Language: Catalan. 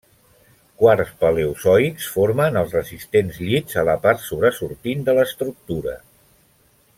Quars Paleozoics formen els resistents llits a la part sobresortint de l'estructura.